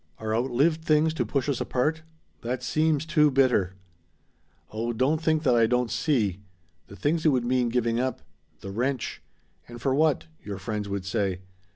Are outlived things to push us apart? That seems too bitter! "Oh don't think that I don't see. The things it would mean giving up. The wrench. And, for what? your friends would say.